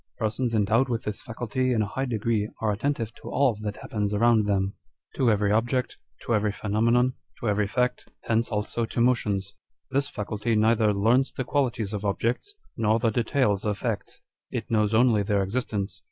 Persons endowed with this faculty in a high degree are attentive to all that happens around them; to every object, to every pheno menon, to every fact : hence also to motions. This faculty neither learns the qualities of objects, nor the details of facts : it knows only their existence.